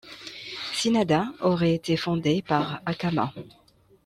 Synnada aurait été fondée par Acamas.